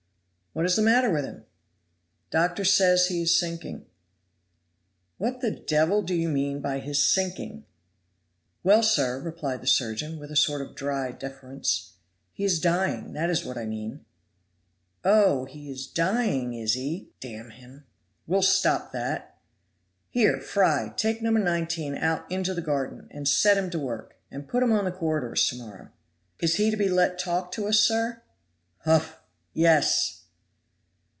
"What is the matter with him?" "Doctor says he is sinking." "What the devil do you mean by his sinking?" "Well, sir," replied the surgeon, with a sort of dry deference, "he is dying that is what I mean." "Oh, he is dying, is he; d n him, we'll stop that. Here, Fry, take No. 19 out into the garden, and set him to work. And put him on the corridors to morrow." "Is he to be let talk to us, sir?" "Humph! yes!"